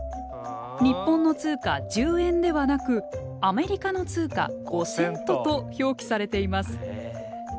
日本の通貨１０円ではなくアメリカの通貨５セントと表記されています。